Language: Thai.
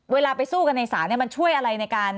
เวลาไปสู้กันในสารมันช่วยอะไร